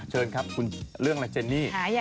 เชิญครับคุณเรื่องอะไรเจนนี่